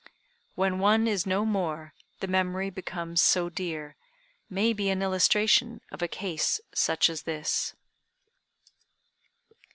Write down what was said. "When one is no more, the memory becomes so dear," may be an illustration of a case such as this.